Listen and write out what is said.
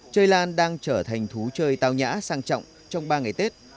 chơi lan đang trở thành thú chơi tao nhã sang trọng trong ba ngày tết